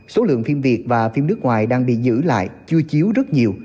số lượng phim việt và phim nước ngoài đang bị giữ lại chưa chiếu rất nhiều